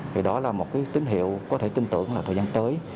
thì đó là một cái tín hiệu có thể tin tưởng là thời gian tới